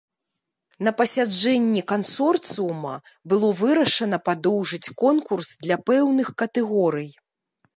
На пасяджэнні кансорцыума было вырашана падоўжыць конкурс для пэўных катэгорый.